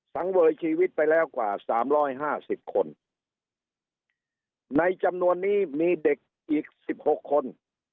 สังเวยชีวิตไปแล้วกว่าสามร้อยห้าสิบคนในจำนวนนี้มีเด็กอีกสิบหกคน